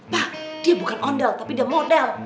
bah dia bukan ondel tapi dia model